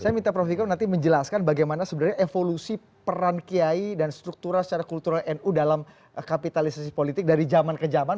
saya minta prof viko nanti menjelaskan bagaimana sebenarnya evolusi peran kiai dan struktural secara kultural nu dalam kapitalisasi politik dari zaman ke zaman